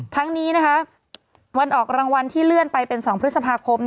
ทั้งนี้วันออกรางวัลที่เลื่อนไปเป็น๒พฤษภาคม